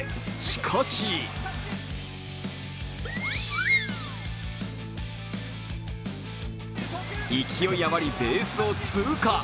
しかし、勢い余りベースを通貨。